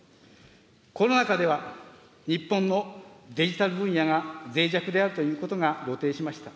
コロナ禍では、日本のデジタル分野がぜい弱であるということが露呈しました。